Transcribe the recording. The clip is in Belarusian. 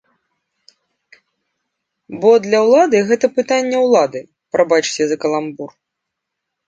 Бо для ўлады гэта пытанне ўлады, прабачце за каламбур.